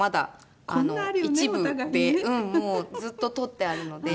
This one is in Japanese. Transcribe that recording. ずっと取ってあるので。